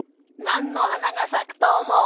なんのはながさくとおもう？